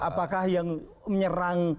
apakah yang menyerang